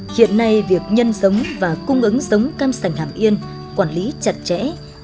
hiện nay việc nhân giống và cung ứng giống cam sành hàm yên quản lý chặt chẽ